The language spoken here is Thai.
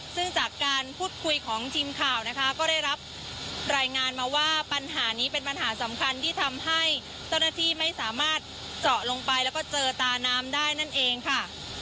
ซึ่งจากการพูดคุยของทีมข่าวนะคะก็ได้รับรายงานมาว่าปัญหานี้เป็นปัญหาสำคัญที่ทำให้เจ้าหน้าที่ไม่สามารถเจาะลงไปแล้วก็เจอตาน้ำได้นั่นเองค่ะ